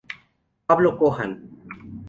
Pablo Kohan.